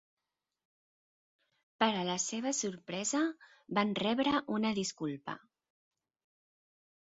Per a la seva sorpresa, van rebre una disculpa.